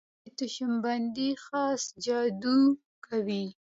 دوی د چشم بندۍ خاص جادو کوي.